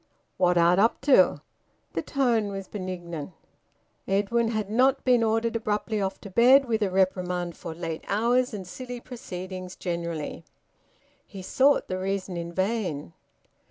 "What art up to?" The tone was benignant. Edwin had not been ordered abruptly off to bed, with a reprimand for late hours and silly proceedings generally. He sought the reason in vain.